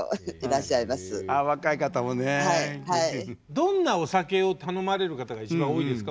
どんなお酒を頼まれる方が一番多いですか？